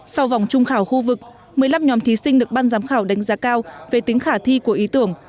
sau vòng trung khảo khu vực một mươi năm nhóm thí sinh được ban giám khảo đánh giá cao về tính khả thi của ý tưởng